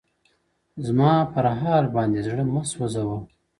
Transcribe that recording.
زما پر حال باندي زړه مـه ســـــوځـــــوه؛